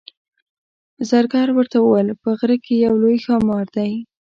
زرګر ورته وویل په غره کې یو لوی ښامار دی.